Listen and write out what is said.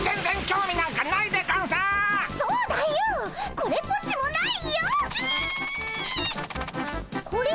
これっぽっちもないとな？